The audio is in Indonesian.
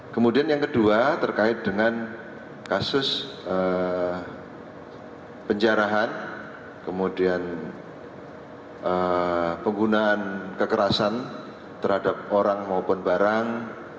kemudian yang kedua terkait dengan kasus penjarahan kemudian penggunaan kekerasan terhadap orang maupun barang